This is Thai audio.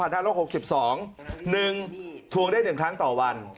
ทวงได้๑ครั้งต่อวัน